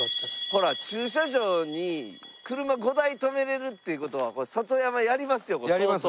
ほら駐車場に車５台止められるっていう事はこれ里山やりますよ相当。